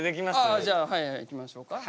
ああじゃはいいきましょうか。